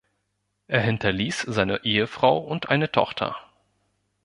Er hinterließ seine Ehefrau und eine Tochter.